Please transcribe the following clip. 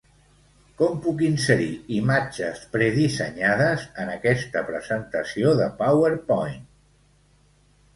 Con puc inserir imatges predissenyades en aquesta presentació de PowerPoint?